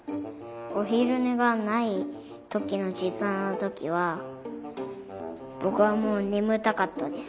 おひるねがないときのじかんのときはぼくはもうねむたかったです。